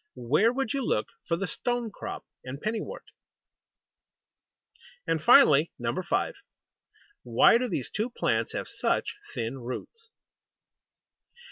Where would you look for the Stone crop and Penny wort? 5. Why do these two plants have such thin roots?